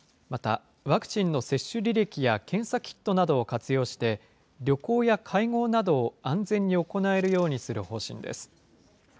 また、ワクチンの接種履歴や検査キットなどを活用して、旅行や会合などを安全に行えるようにする方針です。